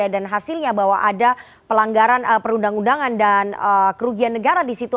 dan hasilnya bahwa ada perundang undangan dan kerugian negara di situ